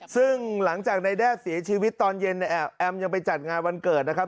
ซึ่งหลังจากนายแด้เสียชีวิตตอนเย็นแอมยังไปจัดงานวันเกิดนะครับ